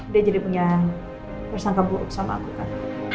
dia jadi penggunaan terus angka buruk sama aku kan